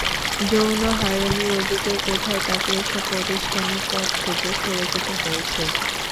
যৌন হয়রানির অভিযোগ ওঠায় তাঁকে এসব প্রতিষ্ঠানের পদ থেকে সরে যেতে হয়েছে।